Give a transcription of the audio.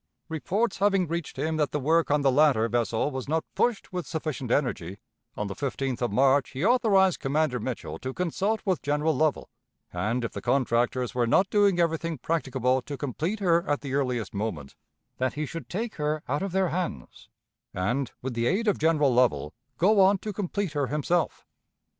Reports having reached him that the work on the latter vessel was not pushed with sufficient energy, on the 15th of March he authorized Commander Mitchell to consult with General Lovell, and, if the contractors were not doing everything practicable to complete her at the earliest moment, that he should take her out of their hands, and, with the aid of General Lovell, go on to complete her himself.